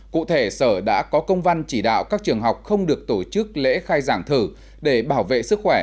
cụ thể sở đã có công văn chỉ đạo các trường học không được tổ chức lễ khai giảng thử để bảo vệ sức khỏe